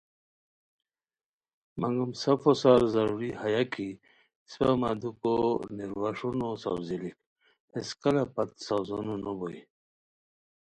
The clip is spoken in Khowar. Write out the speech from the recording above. مگم سفوسار ضروری ہیہ کی اسپہ مدوکو "نیرواݰونو ساؤزیلیک" ہیس کلہ پت ساؤزنوبوئے